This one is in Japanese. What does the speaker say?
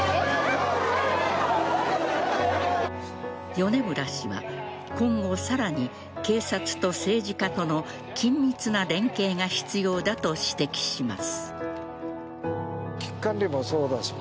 米村氏は今後さらに警察と政治家との緊密な連携が必要だと指摘します。